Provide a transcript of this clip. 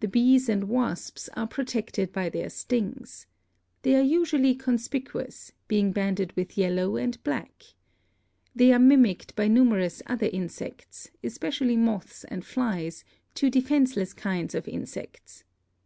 The bees and wasps are protected by their stings. They are usually conspicuous, being banded with yellow and 290 BIOLOGY black. They are mimicked by numerous other insects, especially moths and flies, two defenseless kinds of in sects.